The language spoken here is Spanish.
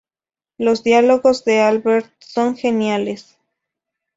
Los diálogos de Albert son geniales.